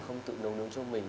không tự nấu nướng cho mình